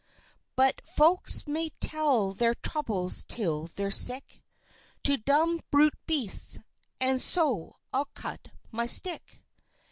"But folks may tell their Troubles till they're sick To dumb brute Beasts, and so I'll cut my Stick!